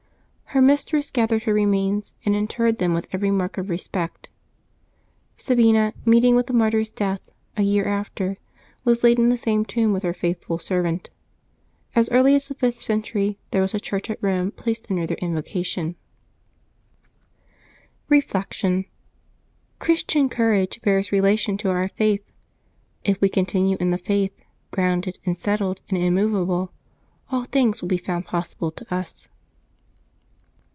Her mistress gath ered her remains, and interred them with every mark of respect. Sabina, meeting with a martyr's death, a year after, was laid in the same tomb with her faithful servant. As early as the fifth century there was a church at Rome placed under their invocation. 304 LIVES OF TEE 'SAINTS [Seftbkbto 4 Reflection. — Christian courage bears relation to our faith. " If we continue in the faith, grounded, and settled, and immovable/' all things will be found possible to us.